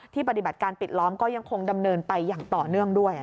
ปฏิบัติการปิดล้อมก็ยังคงดำเนินไปอย่างต่อเนื่องด้วย